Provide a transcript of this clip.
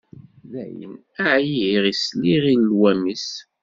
Dayen, εyiɣ i sliɣ i llwam-is.